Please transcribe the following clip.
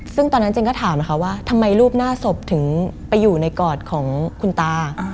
ซึ่งตอนนั้นเจนก็ถามนะคะว่าทำไมรูปหน้าศพถึงไปอยู่ในกอดของคุณตา